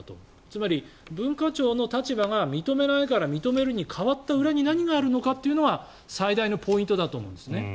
つまり、文化庁の立場が認めないから認めるに変わった裏には何があるのかというのは最大のポイントだと思いますね。